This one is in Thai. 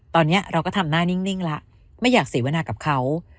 ตอนนี้เราก็ทำหน้านิ่งแล้วไม่อยากเสวนากับเขา